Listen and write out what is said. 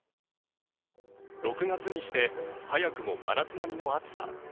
６月にして早くも真夏並みの暑さ。